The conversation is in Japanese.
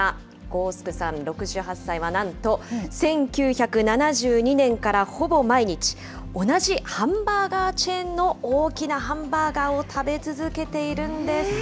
ゴースクさん６８歳はなんと、１９７２年からほぼ毎日、同じハンバーガーチェーンの大きなハンバーガーを食べ続けているんです。